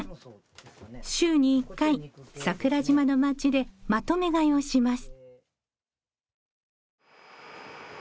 週に一回桜島の町でまとめ買いをします。